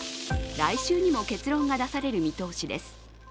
来週にも結論が出される見通しです。